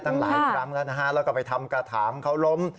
ตั้งหลายครั้งแล้วนะฮะแล้วก็ไปทำกระถางเขาล้ม